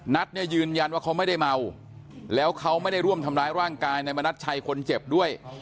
นัทเนี่ยยืนยันว่าเขาไม่ได้เมาแล้วเขาไม่ได้ร่วมทำร้ายร่างกายนายมณัชชัยคนเจ็บด้วย